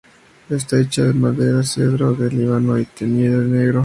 Está hecha en madera de cedro del Líbano y teñida de negro.